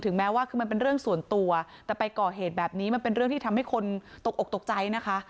แม้ว่าคือมันเป็นเรื่องส่วนตัวแต่ไปก่อเหตุแบบนี้มันเป็นเรื่องที่ทำให้คนตกอกตกใจนะคะ